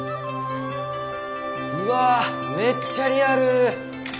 うわめっちゃリアル。